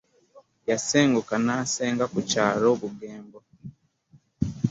Yasenguka n’asenga ku kyalo Bugembo.